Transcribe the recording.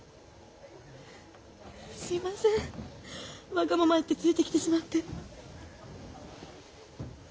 わがまま言ってついてきてしまって。